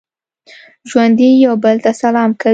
ژوندي یو بل ته سلام کوي